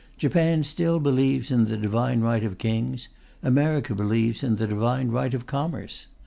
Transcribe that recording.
Japan still believes in the divine right of kings; America believes in the divine right of commerce.